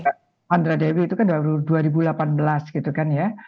andra dewi itu kan baru dua ribu delapan belas gitu kan ya